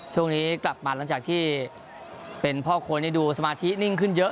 ช่วงนี้กลับมาหลังจากที่เป็นพ่อคนที่ดูสมาธินิ่งขึ้นเยอะ